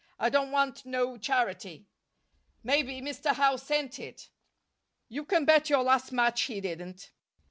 I don't want no charity." "Maybe Mr. Howe sent it." "You can bet your last match he didn't."